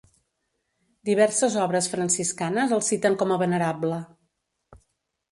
Diverses obres franciscanes el citen com a venerable.